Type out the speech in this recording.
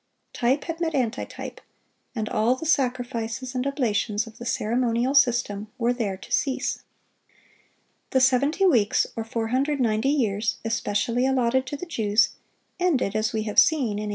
Type had met antitype, and all the sacrifices and oblations of the ceremonial system were there to cease. The seventy weeks, or 490 years, especially allotted to the Jews, ended, as we have seen, in A.